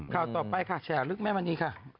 ข่าวต่อไปค่ะแฉลึกแม่มณีค่ะ